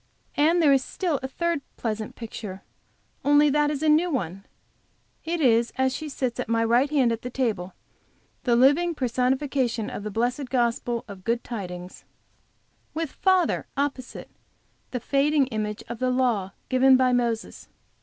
And there is still a third pleasant picture, only that it is a new one; it is as she sits at my right hand at the table, the living personification of the blessed gospel of good tidings, with father, opposite, the fading image of the law given by Moses.